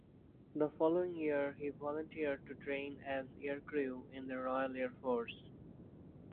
The following year he volunteered to train as aircrew in the Royal Air Force.